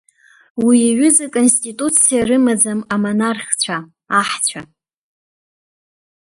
Уи аҩыза Аконституциа рымаӡам амонархцәа, аҳцәа.